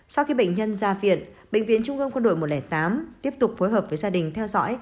sau khi bệnh nhân ra viện bệnh viện trung ương quân đội một trăm linh tám tiếp tục phối hợp với gia đình theo dõi